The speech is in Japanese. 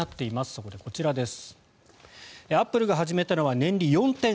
そこで、こちらです。